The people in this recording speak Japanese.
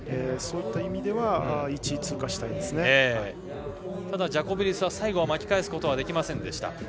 そういった意味ではただジャコベリスは最後は巻き返すことはできませんでした。